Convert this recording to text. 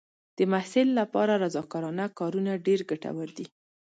د محصل لپاره رضاکارانه کارونه ډېر ګټور دي.